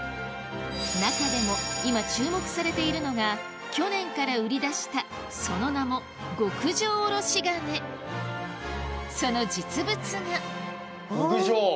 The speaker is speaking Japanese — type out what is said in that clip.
中でも今注目されているのが去年から売り出したその名も極上おろし金その実物が極上？